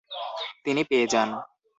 তিনি পেয়ে যান ।